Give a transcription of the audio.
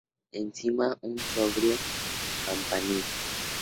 Encima un sobrio campanil.